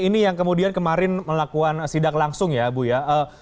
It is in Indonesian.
ini yang kemudian kemarin melakukan sidak langsung ya bu ya